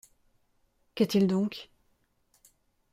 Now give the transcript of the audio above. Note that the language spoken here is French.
Qu’a-t-il donc ?